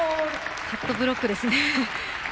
カットブロックですね。